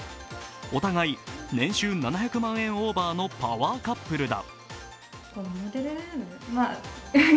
お互い年収７００万円オーバーのパワーカップルだ。